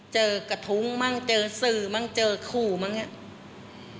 เจอกระทุ้งมั่งเจอสื่อมั่งเจอขู่บ้างอย่างนี้